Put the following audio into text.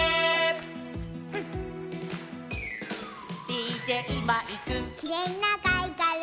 「ＤＪマイク」「きれいなかいがら」